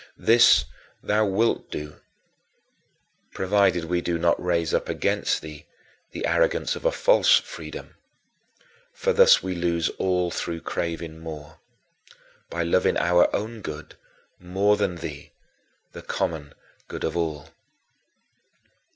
This thou wilt do, provided we do not raise up against thee the arrogance of a false freedom for thus we lose all through craving more, by loving our own good more than thee, the common good of all.